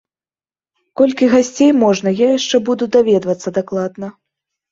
Колькі гасцей можна, я яшчэ буду даведвацца дакладна.